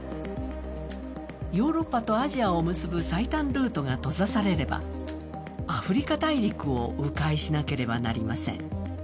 ヨーロッパとアジアを結ぶ最短ルートが閉ざされればアフリカ大陸をう回しなければなりません。